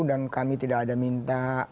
dan kami tidak ada minta